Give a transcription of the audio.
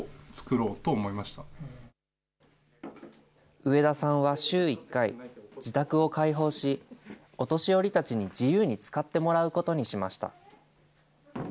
上田さんは週１回、自宅を開放し、お年寄りたちに自由に使ってもらうことにしました。